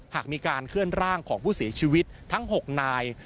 หากมีการเคลื่อนร่างของผู้เสียชีวิตทั้ง๖นาย